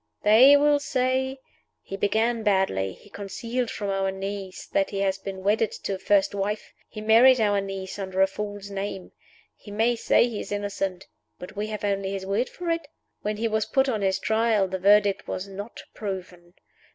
They will say, 'He began badly; he concealed from our niece that he had been wedded to a first wife; he married our niece under a false name. He may say he is innocent; but we have only his word for it. When he was put on his Trial, the Verdict was Not Proven.